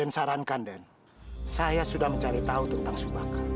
saya sudah mencari tahu tentang subaka